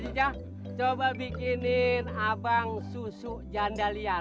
ajijang coba bikinin abang susu janda liar